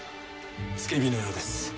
付け火のようです。